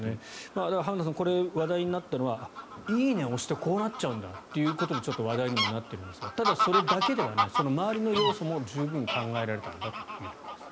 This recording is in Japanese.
浜田さんこれは話題になったのは「いいね」を押してこうなっちゃうんだということでちょっと話題にもなっているんですがただ、それだけではないその周りの要素も十分考えられたんだということです。